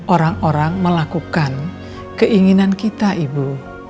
orang orang melakukan keinginan kita ibu